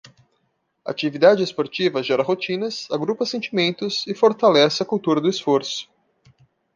A atividade esportiva gera rotinas, agrupa sentimentos e fortalece a cultura do esforço.